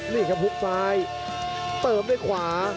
นี่ครับหุบซ้ายเติมด้วยขวา